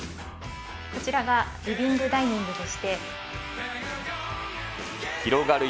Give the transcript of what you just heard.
こちらがリビングダイニング広がる